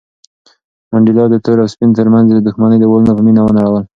منډېلا د تور او سپین تر منځ د دښمنۍ دېوالونه په مینه ونړول.